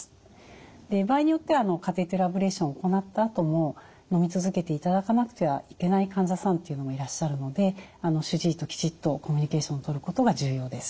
場合によってはカテーテルアブレーションを行ったあとものみ続けていただかなくてはいけない患者さんというのもいらっしゃるので主治医ときちっとコミュニケーションをとることが重要です。